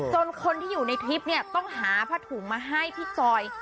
คนที่อยู่ในทริปเนี่ยต้องหาผ้าถุงมาให้พี่จอย